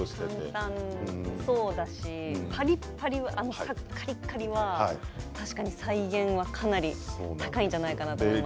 簡単そうだしあのカリカリは確かに、再現度は高いんじゃないかなと思います。